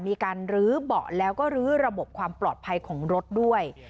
มีการลื้อเบาะแล้วก็ลื้อระบบความปลอดภัยของรถด้วย